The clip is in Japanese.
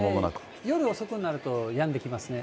夜遅くになると、やんできますね。